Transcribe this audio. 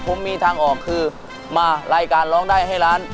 ผมมีทางออกคือมารายการร้องได้ให้ล้าน